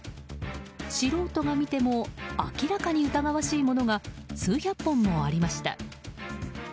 素人が見ても明らかに疑わしいものが数百本もありました。